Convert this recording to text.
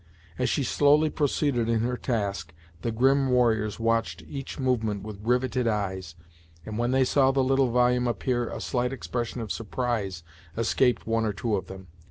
As she slowly proceeded in her task the grim warriors watched each movement with riveted eyes, and when they saw the little volume appear a slight expression of surprise escaped one or two of them.